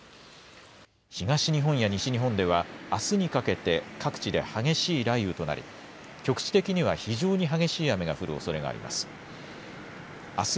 東日本や西日本ではあすにかけて各地で激しい雷雨となり、局地的には非常に激しい雨が降るおそれがあります。